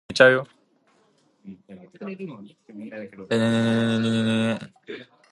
Locks were used to overcome elevation differences along the D and R canal.